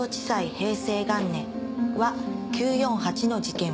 平成元年ワ９４８の事件は？